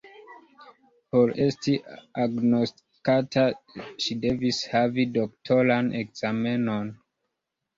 Por esti agnoskata, ŝi devis havi doktoran ekzamenon.